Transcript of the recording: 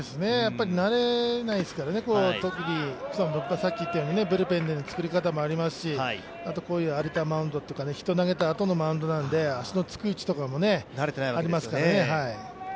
慣れないですからね、特にブルペンでの作り方もありますし荒れたマウンドというか、人が投げたあとのマウンドなので足のつく位置とかもありますからね。